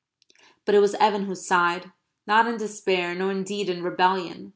But it was Evan who sighed; not in despair nor indeed in rebellion.